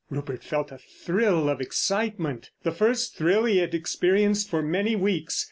Rupert felt a thrill of excitement. The first thrill he had experienced for many weeks.